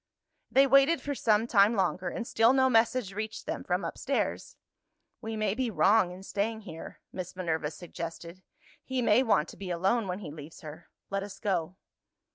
They waited for some time longer and still no message reached them from upstairs. "We may be wrong in staying here," Miss Minerva suggested; "he may want to be alone when he leaves her let us go."